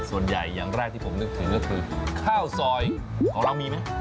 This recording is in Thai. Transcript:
ส่วนใหญ่อย่างแรกที่ผมนึกถึงก็คือข้าวซอยของเรามีไหม